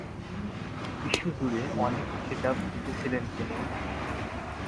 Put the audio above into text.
বিশ্বজুড়ে অনেক খেতাব জিতেছেন তিনি।